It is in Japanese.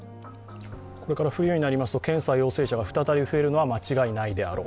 これから冬になりますと検査陽性者が再び増えるのは間違いないであろう。